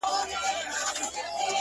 • ایوبه توره دي د چا تر لاسه ورسېده,